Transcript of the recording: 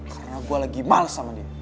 karena gua lagi males sama dia